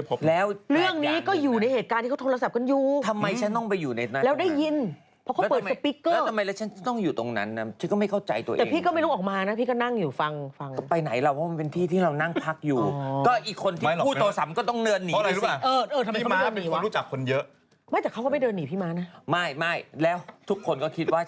อาเล็กบ๊วยบ๊วยบ๊วยบ๊วยบ๊วยบ๊วยบ๊วยบ๊วยบ๊วยบ๊วยบ๊วยบ๊วยบ๊วยบ๊วยบ๊วยบ๊วยบ๊วยบ๊วยบ๊วยบ๊วยบ๊วยบ๊วยบ๊วยบ๊วยบ๊วยบ๊วยบ๊วยบ๊วยบ๊วยบ๊วยบ๊วยบ๊วยบ๊วยบ๊วยบ๊วยบ๊วย